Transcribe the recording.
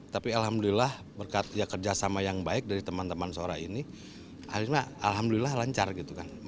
tapi alhamdulillah berkat ya kerjasama yang baik dari teman teman sora ini alhamdulillah lancar gitu kan